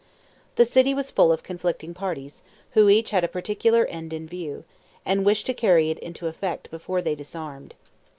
The city was full of conflicting parties, who each had a particular end in view, and wished to carry it into effect before they disarmed.